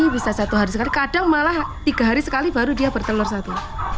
bisa satu hari sekali kadang malah tiga hari sekali baru dia bertelur satu